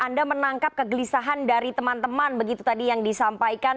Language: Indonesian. anda menangkap kegelisahan dari teman teman begitu tadi yang disampaikan